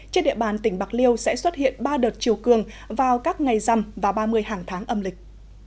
trên địa bàn tỉnh bạc liêu sẽ xuất hiện ba đợt chiều cường vào các ngày răm và ba mươi hàng tháng âm lịch